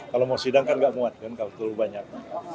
kalau mau sidang kan gak muat kan kalau terlalu banyak